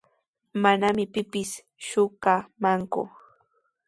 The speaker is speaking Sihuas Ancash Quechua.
Manami pipis shuqamanku.